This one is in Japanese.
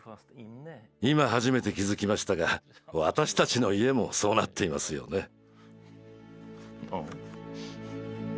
今初めて気づきましたが私たちの家もそうなっていますよね。